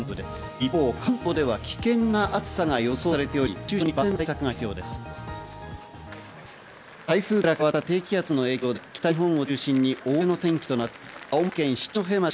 一方、関東では危険な暑さが予想されており、熱中症に万全な対策台風から変わった低気圧の影響で北日本を中心に大荒れの天気となっています。